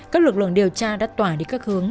các lực lượng điều tra đã tỏa đi các hướng